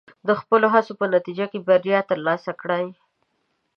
د خپلو هڅو په نتیجه کې بریا ترلاسه کړئ.